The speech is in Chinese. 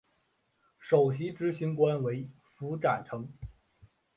首席执行官为符展成。